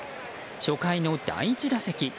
初回の第１打席。